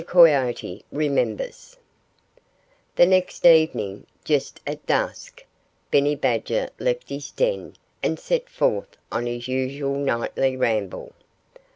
COYOTE REMEMBERS The next evening, just at dusk, Benny Badger left his den and set forth on his usual nightly ramble.